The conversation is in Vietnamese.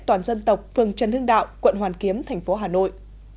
toàn dân tộc phường trần hưng đạo quận hoàn kiếm thành phố hà nội